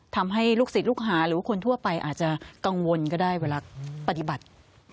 ทำให้ลูกศิษย์ลูกหาหรือว่าคนทั่วไปอาจจะกังวลก็ได้เวลาปฏิบัติ